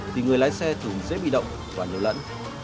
thì người lái xe thường dễ bị động và nhiều lẫn